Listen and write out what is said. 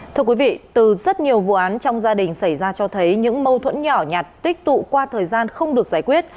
thưa quý vị từ rất nhiều vụ án trong gia đình xảy ra cho thấy những mâu thuẫn nhỏ nhặt tích tụ qua thời gian không được giải quyết